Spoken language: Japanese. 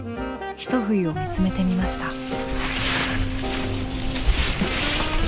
ひと冬を見つめてみました。